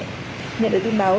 nhận được tin báo